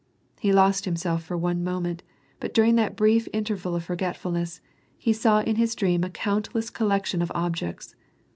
He lost himself for one moment, but during that brief inter val of forgetfulness, he saw in his dream a countless collection of objects.